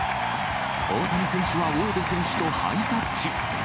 大谷選手はウォード選手とハイタッチ。